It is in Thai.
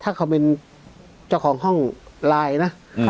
ถ้าเขาเป็นเจ้าของห้องไลน์นะ